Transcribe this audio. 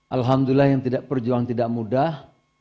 alhamdulillah yang tidak berjuang tidak mudah